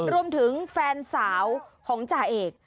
รวมถึงแฟนสาวของจ่าเอก